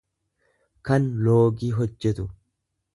kan loogii hojjetu.